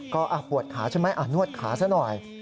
ก็ปวดขาใช่ไหมนวดขาซะหน่อย